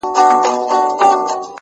ما د وحشت په زمانه کي زندگې کړې ده-